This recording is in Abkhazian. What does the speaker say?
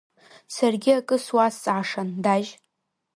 Саргьы акы суазҵаашан, Дажь?